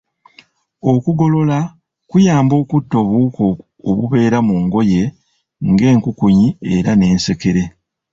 Okugolola kuyamba okutta obuwuka obubeera mu ngoye ng'enkukunyi era n'ensekere